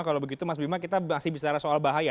kalau begitu mas bima kita masih bicara soal bahaya